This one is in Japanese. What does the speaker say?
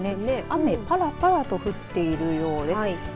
雨ぱらぱらと降っているようです。